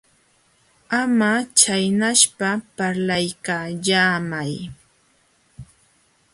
Ama chaynaspa, parlaykallaamay.